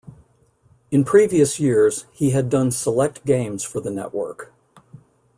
In previous years, he had done select games for the network.